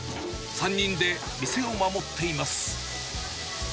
３人で店を守っています。